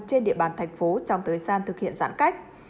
trên địa bàn thành phố trong thời gian thực hiện giãn cách